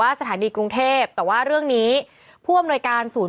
เป็นการกระตุ้นการไหลเวียนของเลือด